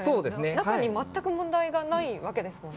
中は全く問題ないわけですもんね。